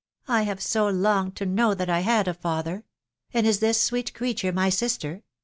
... I have so longed to know that I had a father .... And is this sweet creature my sister